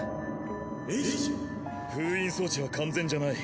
封印装置は完全じゃない。